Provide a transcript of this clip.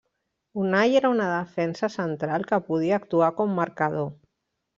Unai era un defensa central que podia actuar com marcador.